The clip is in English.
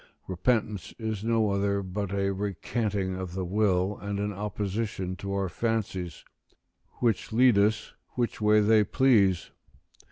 Repentance is no other but a recanting of the will and an opposition to our fancies, which lead us which way they please.